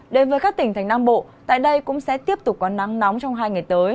đến với các tỉnh thành nam bộ tại đây cũng sẽ tiếp tục có nắng nóng trong hai ngày tới